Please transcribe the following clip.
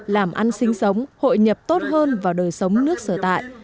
làm ăn sinh sống hội nhập tốt hơn vào đời sống nước sở tại